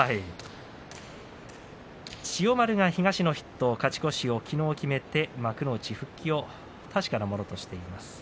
千代丸は東の筆頭勝ち越しを決めて復帰を確かなものにしています。